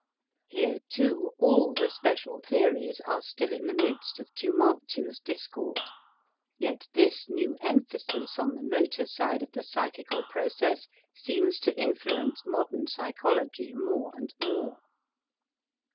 Here too all the special theories are still in the midst of tumultuous discord. Yet this new emphasis on the motor side of the psychical process seems to influence modern psychology more and more.